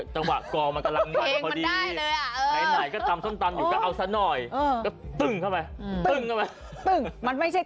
ก็ด้วยความที่ก็มันมีงานบุญอยู่